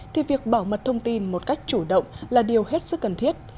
thì việc bảo mật thông tin một cách chủ động là điều hết sức cần thiết